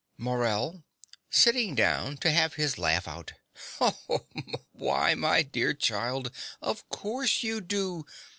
MORELL (sitting down to have his laugh out). Why, my dear child, of course you do.